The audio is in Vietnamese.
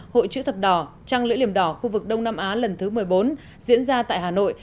hội chữ thập đỏ trăng lưỡi liềm đỏ khu vực đông nam á lần thứ một mươi bốn diễn ra tại hà nội